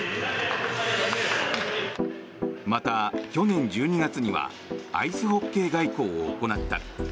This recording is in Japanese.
また、去年１２月にはアイスホッケー外交を行った。